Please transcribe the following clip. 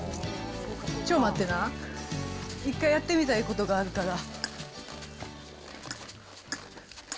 ちょっと待ってな、一回やってみたいことがあるから。